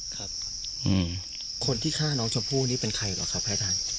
ครับคนที่ฆ่าน้องชมพู่นี่เป็นใครหรอกครับพระอาจารย์